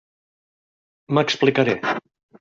M'explicaré.